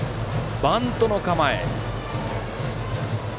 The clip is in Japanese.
バントの構え。